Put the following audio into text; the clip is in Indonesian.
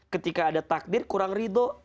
ketika ada takdir kurang ridho